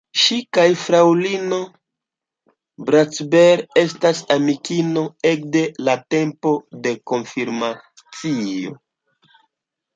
Ŝi kaj fraŭlino Bratsberg estas amikinoj ekde la tempo de konfirmacio.